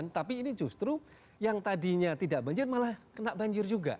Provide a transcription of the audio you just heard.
tapi ini justru yang tadinya tidak banjir malah kena banjir juga